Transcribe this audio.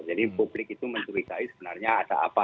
jadi publik itu mencuri guys sebenarnya ada apa